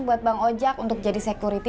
buat bang ojek untuk jadi security